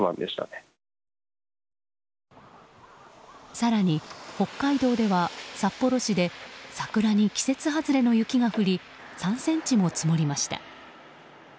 更に北海道では札幌市で桜に季節外れの雪が降り３ｃｍも積もりました。